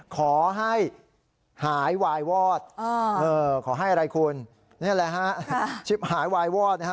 ขอให้หายวายวอดขอให้อะไรคุณนี่แหละฮะชิบหายวายวอดนะฮะ